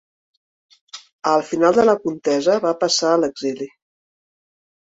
Al final de la contesa va passar a l'exili.